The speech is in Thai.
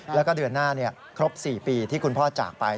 แล้วก็เดือนหน้าครบ๔ปีที่คุณพ่อจากไป